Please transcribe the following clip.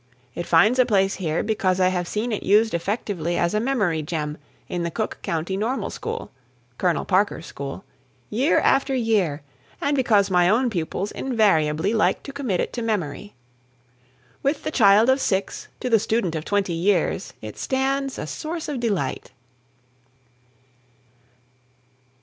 It finds a place here because I have seen it used effectively as a memory gem in the Cook County Normal School (Colonel Parker's school), year after year, and because my own pupils invariably like to commit it to memory. With the child of six to the student of twenty years it stands a source of delight.